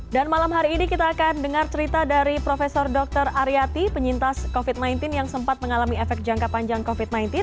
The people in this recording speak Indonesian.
dan malam hari ini kita akan dengar cerita dari prof dr aryati penyintas covid sembilan belas yang sempat mengalami efek jangka panjang covid sembilan belas